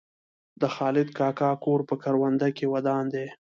د خالد کاکا کور په کرونده کې ودان دی.